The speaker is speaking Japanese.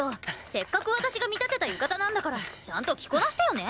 せっかく私が見立てた浴衣なんだからちゃんと着こなしてよね！